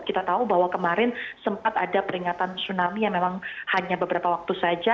kita tahu bahwa kemarin sempat ada peringatan tsunami yang memang hanya beberapa waktu saja